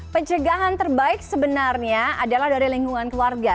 pencegahan terbaik sebenarnya adalah dari lingkungan keluarga